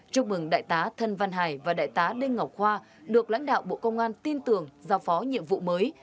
chúc mừng đại tá thân văn hải và đại tá đinh ngọc khoa được lãnh đạo bộ công an tin tưởng giao phó nhiệm vụ mới